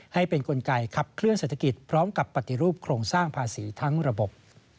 ให้เป็นกลไกขับเคลื่อนเศรษฐกิจพร้อมกับปฏิรูปโครงสร้างภาษีทั้งระบบ